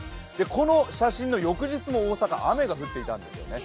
この写真の翌日も大阪雨が降っていたんですよね。